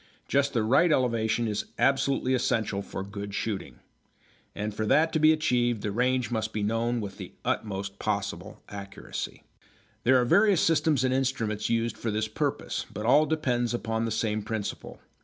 Just the right elevation is absolutely essential for good shooting. And for that to be achieved the range must be known with the utmost possible accuracy. There are various systems and instruments used for this purpose, but all depend upon the same principle.